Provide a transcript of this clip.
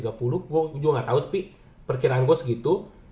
gue gak tau tapi perkiraan gue segitu